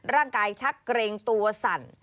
ร่างกายชักเกรงตัวสั่น